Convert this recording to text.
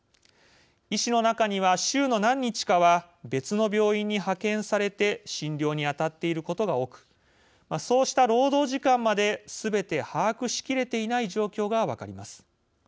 医師の中には、週の何日かは別の病院に派遣されて診療に当たっていることが多くそうした労働時間まですべて把握しきれていない状況が分かります。